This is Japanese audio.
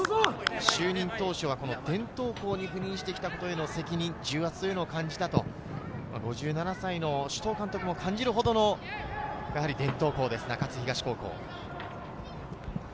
就任当初は伝統校に赴任してきたことへの責任、重圧を感じたと、５７歳の首藤監督も感じるほどの伝統校です。